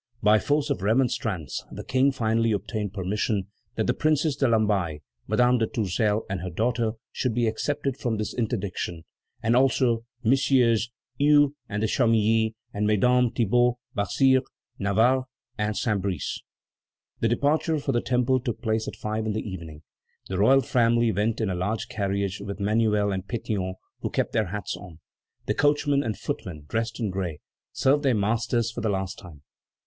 By force of remonstrance the King finally obtained permission that the Princess de Lamballe, Madame de Tourzel and her daughter should be excepted from this interdiction, and also MM. Hue and de Chamilly, and Mesdames Thibaud, Basire, Navarre, and Saint Brice. The departure for the Temple took place at five in the evening. The royal family went in a large carriage with Manuel and Pétion, who kept their hats on. The coachman and footmen, dressed in gray, served their masters for the last time.